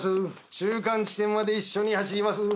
中間地点まで一緒に走ります。